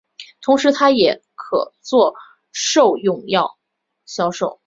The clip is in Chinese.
同时它也可作兽用药销售。